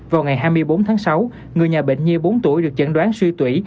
vào ngày hai mươi bốn tháng sáu người nhà bệnh nhi bốn tuổi được chẩn đoán suy tủy